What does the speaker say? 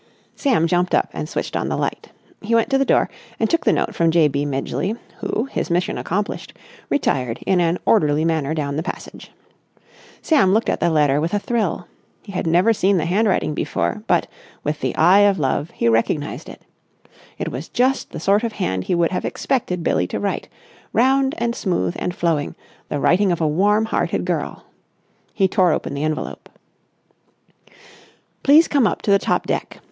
Sam jumped up and switched on the light. He went to the door and took the note from J. B. Midgeley, who, his mission accomplished, retired in an orderly manner down the passage. Sam looked at the letter with a thrill. He had never seen the handwriting before, but, with the eye of love, he recognised it. It was just the sort of hand he would have expected Billie to write, round and smooth and flowing, the writing of a warm hearted girl. He tore open the envelope. "Please come up to the top deck.